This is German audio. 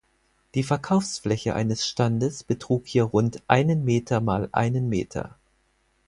Die Verkaufsfläche eines Standes betrug hier rund einen Meter mal einen Meter.